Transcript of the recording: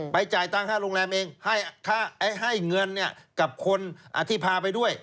จ่ายตังค่าโรงแรมเองให้เงินกับคนที่พาไปด้วย